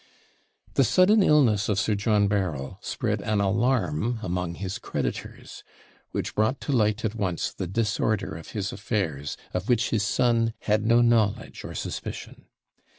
The sudden illness of Sir John Berryl spread an alarm among his creditors which brought to light at once the disorder of his affairs, of which his son had no knowledge or suspicion.